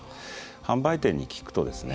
販売店に聞くとですね